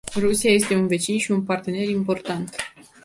Rusia este un vecin și un partener important.